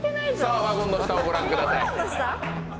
ワゴンの下をご覧ください。